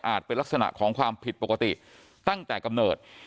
เป็นลักษณะของความผิดปกติตั้งแต่กำเนิด